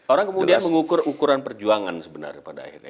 orang kemudian mengukur ukuran perjuangan sebenarnya pada akhirnya